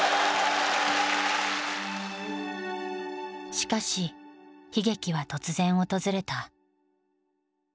しかし悲劇は突然訪れた。